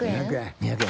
２００円？